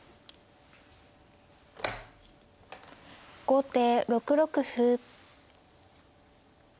後手６六歩。